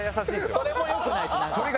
それも良くないしなんか。